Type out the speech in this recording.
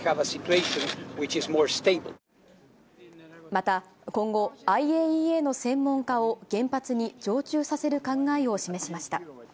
また今後、ＩＡＥＡの専門家を原発に常駐させる考えを示しました。